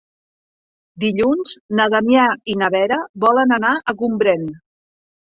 Dilluns na Damià i na Vera volen anar a Gombrèn.